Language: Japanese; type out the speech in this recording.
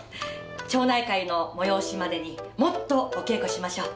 町内会の催しまでにもっとお稽古しましょう。